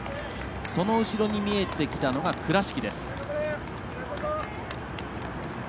その後ろに見えてきたのが倉敷。